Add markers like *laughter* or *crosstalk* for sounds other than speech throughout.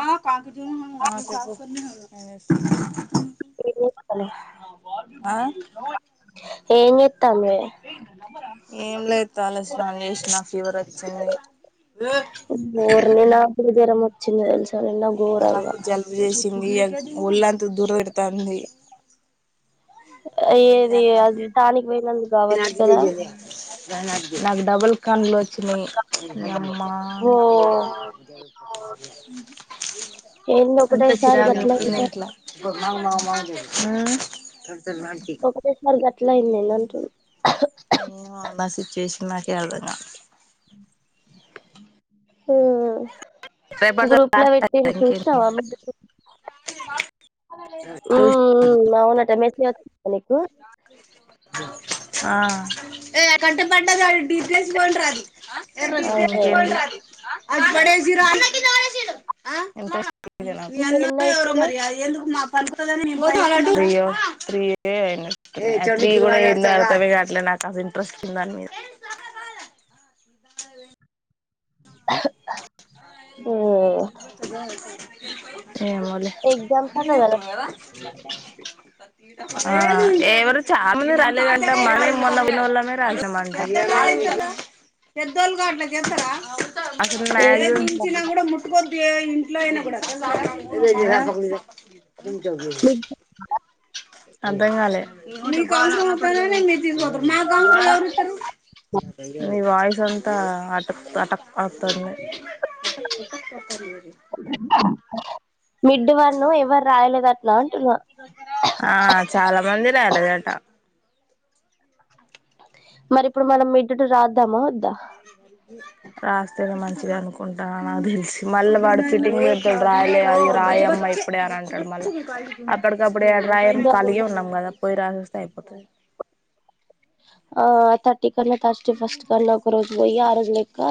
ఆ కాన్స్ జున్ కాన్స్ ఎం ఎతాలె, ఆ బుజి ఎం ఎతానావే ఏం లేదు, తల సాన్నం చేసిన ఫీవర్ వచ్చింది. బోర్నిలా చిన్నా హెల్స్ నాకు జలుబు చేసింది. ఒళ్ళంతా దురద పెడతాంది. ఏం ఏది చెయ్యాలా. అది టానిక్ పోయినందుకు కావచ్చు ఈరోజుకి కదా ఇదే అబషన్ నాకు డబుల్ కళ్ళు, వోచ్చినయ నిమ్మా ఓ ఏ అంత చిరాగ్ ఉటుంది. ఇట్లా మ్ ఒకటేసారి గట్లాయింది. ఎందని ఏమొ అలోచ్చి చేసిందాక, అర్ధం గాలే ఉ రేపటితో గ్రూప్ ల లాస్ట్ వెట్టిర్ చూసినవా? మ ఇంకేంది. ఉమ్ నవునట మెస్జ్ వ ఆ ఏ అ కంటం అదే ఇంకేంది. మీ నీవి అన్న ఎన్ని ఎవరో, అయిపోయినయి మరి ఎందుకు మాక్ పలుకతదని, నేను అయ్యో కూడా వెళాతవి కా అట్లే, నాకు అ ఇంట్రెస్ట్ ఉందని దాని మీద ఇన్వాడలె హ, హఅ వచ్చే ఏమోలే, ఎగ్జామ్స్ అన్నీ అట కదా తెస్తునావగదా! ఎవరు చాల మంది రాలేదంటా, మ మొన్న ఉన్నోళ్లమే రాసినమంట. పెద్దోలుగాట్ల, జెస్తర అవును. అసలు ఏది మారేజ్ కి గూడా ముట్టుకొద్దు, ఇంట్లో అయినా రాకముందే మిడ్ అర్థం గాలే, మీకు అవసరం ఉన్నప్పుడు, మీరు తీసుకోతరు. మాకు అవసరం ఉన్నప్పుడు ఎవరు ఇస్తరు. మీ వాయిస్ అంతా, అటక్ అటక్ వస్తుంది. అక్కర్లేదు మిడ్ వన్, ఎవరు రాయలేదటనా అంటున్నా. ఆ చాలా మంది రాయలేదట. మరి ఇప్పుడు, మనం మిడ్ టు రాద్దామా వద్దా. రాస్తేనే మంచిగా అనుకుంటా. నాకు తెలిసి మళ్ళీ వాడు ఫిటింగ్ పెడ్తాడు రాయలేదని. రాయమ్మ ఇప్పుడే అని అంటాడు. మళ్ళీఅక్కడ అప్ప అప్పుడ రాయను కాలిగే ఉన్నాం. కదా పోయి రాసెసి వస్తే అయిపోతది. ఆ తట్టి కన్న తట్టి ఫస్ట్ కన్న, ఒకరోజు పోయి ఆరోజలే. ఇంకా,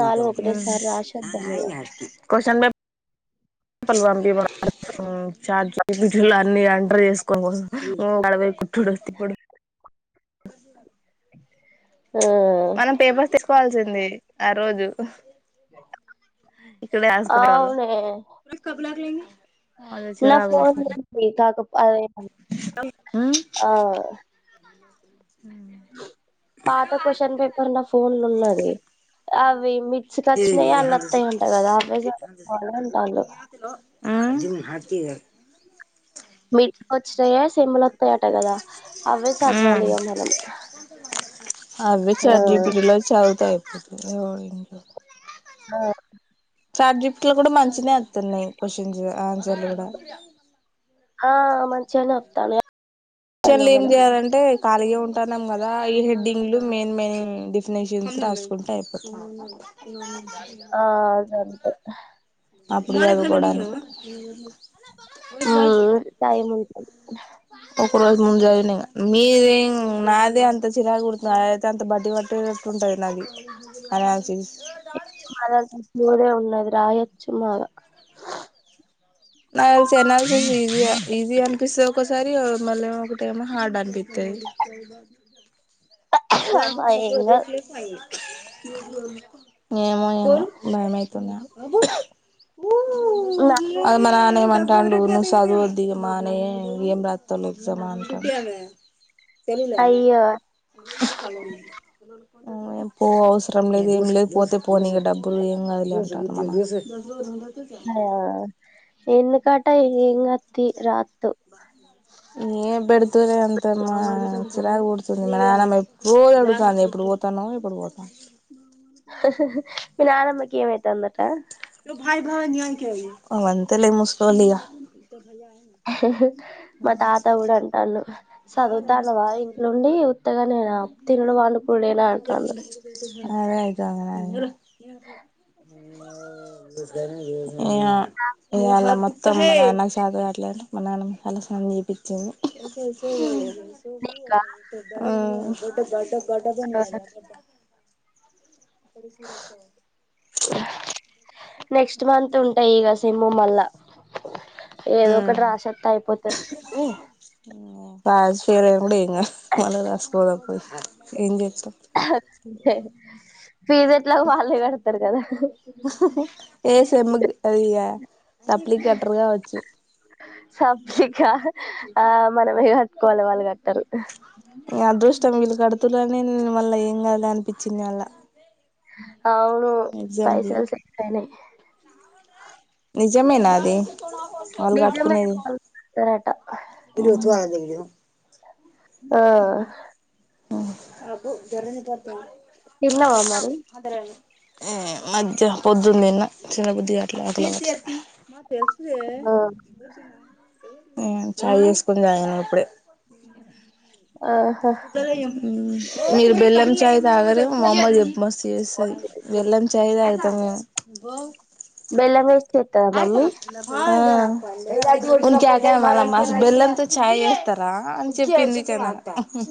నాలుగు ఒకటేసారి రాసివద్దా ఇగా వన్ బి చార్జ అన్ని అంటర్ చేసుకోని కోసం, అడపోయి కుట్డు తిప్పుడు మనం పేపర్స్ తీసుకోవాల్సింది. ఆ రోజు ఇక్కడే ఆ ఆసుకునే వాళ్ళం అవునే కబ నా ఫోన్ప్పు అదే ఉమ్ ఆ పాత క్వశ్చన్ పేపర్ నా ఫోన్ లో ఉన్నది అవి మిర్చికి వచ్చినయి ఉమ్ అల్లుత్తాయి ఉంటాయి కదా అవి బాగానే ఉంటా వ హటి మిట్కి వచ్చాయ సేమ్ల వతాయట కదా అవే ఉమ్ చదవాలిగా మనం అవి చార్జీబిడిలో చదువుతా అయిపోతుదు ఎ ఆ చార్ట్ జిఫట్ లో కూడా మంచిన వస్తున్నాయి క్వశ్చన్స్ ఆన్సర్లు కూడా ఆ మంచించినే ఆప్తాన విషన్లు ఏం చేయ్యాలంటే ఖాళీగా ఉంటున్నాం కదా ఈ హెడ్డింగ్లు మెయిన్ మెయిన్ డిఫినేషన్స్ రాసుకుంటే అయిపోత ఉ ఆ అద అంతే అప్పుడు అగకూడదు ఉ తయి ముంట ఒక రోజు ముందు రోజ మీదిే నాదే అంత చిరాగా కుడుతుంది అద అయితే అంత బడ్ పంది అట్టేటట్టు ఉంటుంది నాది అనినిసి ఎ మదంగా పోదే ఉన్నది రాయచుమ నా ఎనాలిసెస్ ఈజీ ఈజీ అనిపిస్తుంది ఒకసారి మళ్ళీ ఒకటమ హార్డ్ అనిపిస్తుది అమ్మ ఏం గాదు. ఏ మ భయమ తంద నా అ మన మంటా ను చదువు వద్ది మా అనే ఏం రాస్తాసమ్మా అంటా అయ్యో పో ఔసర లేదు ఏం లేదు పోతే పోనీక డబ్బులు ఏం కదులే అంటాను మనం అయ ఎందు కాటాంగ్ ఏ బడతురే అంత మా గాడుతుంది మేమ్ ఎప్పుడో ఎడుత అంది ఎప్పుడు పోతానో ఎప్పుడు పోతాం ప ఆనమ్బకిమయితే వందట అవంతలే ముస్లులిగా మా తాత కూడా అంటాను చదువుతానువా ఇంట్లోండి ఉత్తగా నేను తినలో వాళ్ళకులేలా అంట అ అదేయికు అ ఇ ఇ అలా మత్త మా నాన్నకు చధ కాట్లేడు మా నాన్న చాలా స్ంది చేపించింది ఇంకా గడ్ గడ్డ బని కొ అప్పుడు సరుక టయిగా సిమ మళ్ళా ఆ ఏదో ఒకటి రాసత్త అయిపోతుంది ప ఫర్ం కూడా ఇంగ మళ్ళ రసుద పోయి ఎ ఫీజ్ ఎట్లా వాళ్ళే కడతారు కదా ఏ చెమ్ముకి అది సప్లి కటరుగా వచ్చు సబ్ ఆ మనమే కట్టుకోవాలి వాళ్ళు కట్టు అదృష్టం వీళ్ళు కడుతులేనే నేను మళ్ళా ఏం క అనిపించింది అళ్లా అవును పైసలు స న నిజమేనా అది వాళ్ళు నిజమే కట్టుకునేది కడతారట *unintelligible* ఆ అబ్బ జర పడుతు తిన్నవా మరి ఉమ్ మధ్య పొద్దున్న తిన్న తిన బుద్ది కట్ల అకలవట్ల తెలు ఆ చాయ్ చదువుకొని ఇప్పుడే ఆ మీరుబెలం చాయ తాగరు మా అమ్మకు చెప్ మస్తు చేస్తది బెల్లం చాయ్ తాగుతాం మేము బెల్లం వేసి చేత్తదా మమ్మీ వేస్తాం *unintelligible* బెల్లంతో చాయ్ చేస్తారా అని చెప్పిందికనా గడచ్చ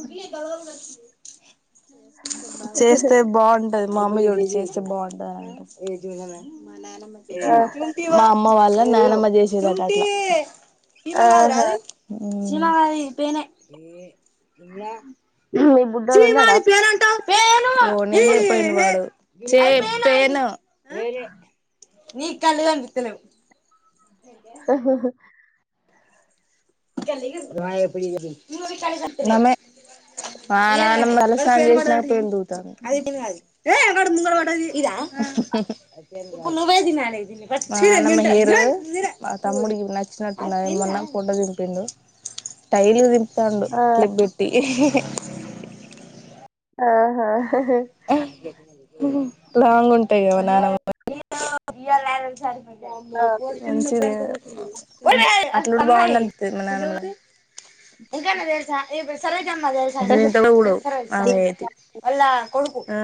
చేస్తే బాగుంటది మా అమయ్యోడికి చేస్తే బావుంటదా ఆ అమ్మ వాళ్ళ నానమ్మ చేసేరంటా అట్లా చీమ ఆహా కడది పెనే మీ బూడోడు ఉన్నాడ నడిపోయిన వాడు చేప్పును *inaudible* ఆహాహా *inaudible* వాన ఇద మా నానమ్మ చేయరు మా తముడి వచ్చినట్టు ఏమన్నా ఫోటో దింపిండు టైల్ దింపుతాండు ఆ క్లిప్ పెట్టి ఆహా లాంగ్ ఉంటాయి కవా నానమ్మ ఆ సర అట్లుంటే బావునని పిస్తది మా నానమ్మ *unintelligible* కొడుకు ఆ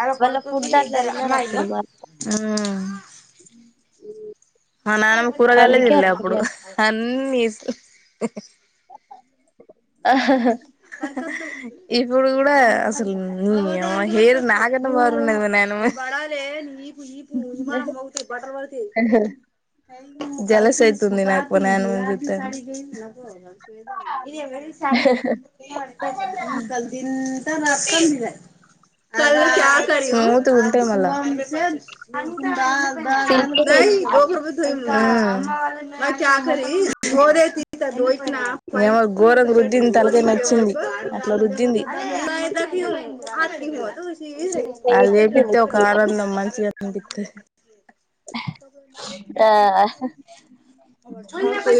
అలా వాళ్ళ కొడుకుకి ఫుడ్ అట్లా ఇద్దారు తినరు అమ్మాయిలు అప్పుడు మరి ఆమ్ ఆ నానమ్ కూరగాయలే అందుకే దిన్లేప్పుడు అట్లున్నది అన్ని ఆహాహా ఇప్పుడు కూ డా అసలు మీ హెయిర్ నా కన్నా బరునది మా నాన్నమది ఈపు విమానం పోతే బట్టర్ పడితే జలసైతుంది నాకు నానమ్మ జు *inaudible* *inaudible* సరే అయితే ఉంట ఇగ మళ్ళ సిల్కీ హెయిర్ ఉమ్ గోర వుద్ధంత నచ్చింది అట్లా రుద్దింది వాళ్ళు చేపిస్తే ఒక సిల్కీ హెయిర్. ఆనందం మంచిగా అనిపితది ఆ ప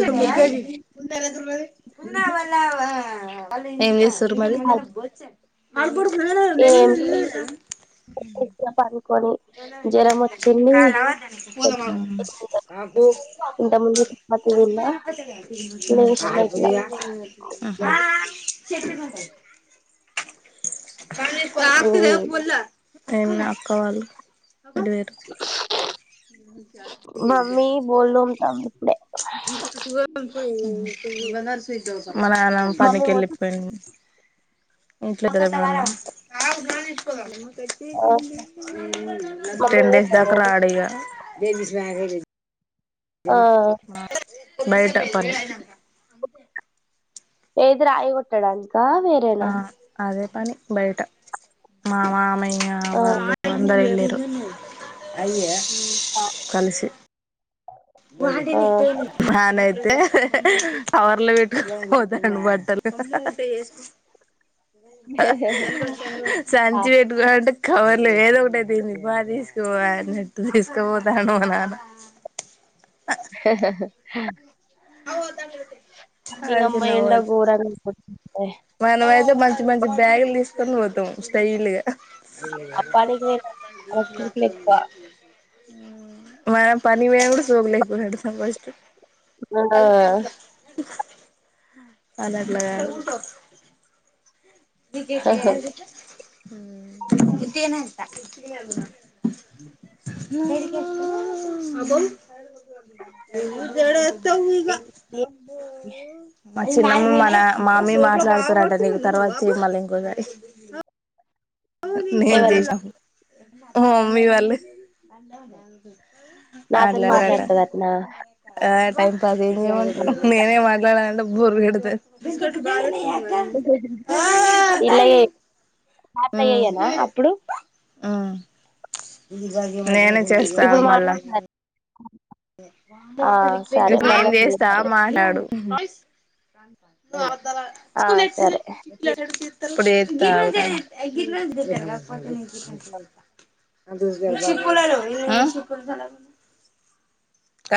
పన్నావ ఏంచే స్తారు మరి ఏం ఇట్లా పనుకొని జ్వరం వచ్చింది కావాలా వద్దా ఇంత ముందు చపాతి తిన్నా నీకు లేసిన ఇట్లా *inaudible* *unintelligible* తుద మ్మ్ ఫుల్ ఏం లా అక్క వాళ్ళు ఇడివేరు చత మమ్మీ బోల్ తోముతాంది ఇప్పుడే అ *unintelligible* స పోయి *unintelligible* మా నాన్న మమ్మీ పనికి మొత్తం వెళ్ళిపోయిండు ఇట్ల కద *unintelligible* మమ్మీ టెన్ డేస్ దాకా వేరేది రాడిగ ఆ బయట పని ఏదిర అయి గొట్టడానికా వేరేనా ఆ అదే పని బయట మా మామయ్య ఆ వాళ్ళు అందరూ వెళ్ళ కలిసి ఆ నానైతే కవర్లో పెట్టుకుని పోతాండు బట్టలు సంచి పెట్కొ అంటే కవర్లు ఏదో ఒకటి అయితేంది పా తీసుకపోవాలనట్టు తీసుకుపోతాండు మా నాన్న *inaudible* హ హా హ నీయమ్మ ఏండ గోరంగ గోడతాంది మనమయితే మంచి మంచి బ్యాగులు తీసుకొని పోతాం స్టైల్ గా అ అప్పానికి పోయిన వర్షాలు ఎక్కువ మనం పనికి పోయినపుడు సోకులెక్కువ పెడతాం ఫస్ట్ ఆ క *unintelligible* లాట్లా విరికెట్ ఎ *unintelligible* ఇంతేనంట అ అబో నువ్ జడేస్తావు ఇగ చిన్నం మన మామీ మాట్లాడుతారట నీకు తర్వాత చెయి మళ్ళీ ఇంకోసారి నేను ఎవరు జేసా మా మమ్మీ వాళ్లు నాతోని మాట్లాడుతది అట్నా ఆంటంటంట *unintelligible* నేనే మాట్లాడాలంటే బొర్ కొడతది వీళ్ళయే పాతయయ్యనా అప్పుడు ఆ నేనే చేస్తా ఇప్పుడు ఆగు మళ్ళా మాట్లాడుతున్నారు ఆ సరే ఇప్పుడు మళ్ళా నేను చెయ్ చేస్తా మరి మాట్లాడు ఆ సరే ప *unintelligible* ఆ